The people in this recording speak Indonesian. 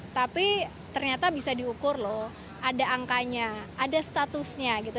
tapi ternyata bisa diukur loh ada angkanya ada statusnya gitu